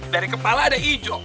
dari kepala ada ijo